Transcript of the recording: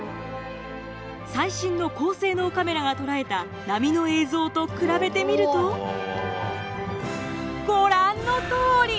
最新の高性能カメラが捉えた波の映像と比べてみるとご覧のとおり！